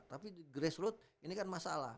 tapi di grace route ini kan masalah